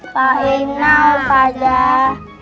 fahim tung fahim tung